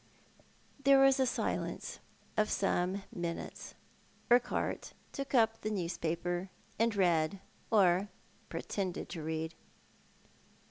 Tiierc was a silence of some minutes. Urquhart took up the newspaper again, and read, or pretended to read.